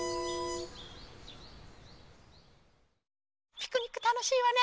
ピクニックたのしいわね！